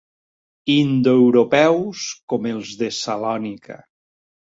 Indoeuropeus com els de Salònica.